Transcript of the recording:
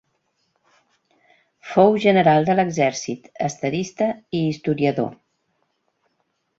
Fou general de l'exèrcit, estadista i historiador.